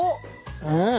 うん。